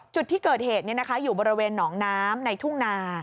จุดที่เกิดเหตุอยู่บริเวณหนองน้ำในทุ่งนา